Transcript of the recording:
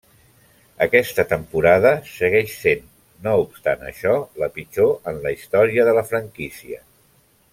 Aquesta temporada segueix sent, no obstant això, la pitjor en la història de la franquícia.